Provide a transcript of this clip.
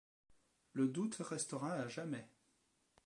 Le doute restera à jamais.